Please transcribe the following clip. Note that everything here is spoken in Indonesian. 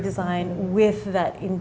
dengan karya yang lain